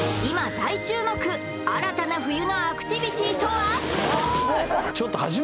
今大注目新たな冬のアクティビティとは？